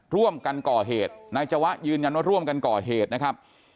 ร่วมกันก่อเหตุนายจวะยืนยันว่าร่วมกันก่อเหตุนะครับ